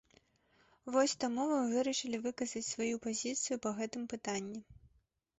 Вось таму мы вырашылі выказаць сваю пазіцыю па гэтым пытанні.